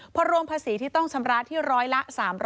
เพราะรวมภาษีที่ต้องชำระที่๑๐๐ละ๓๒๘